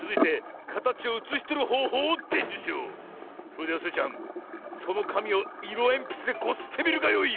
それではスイちゃんそのかみをいろえんぴつでこすってみるがよい。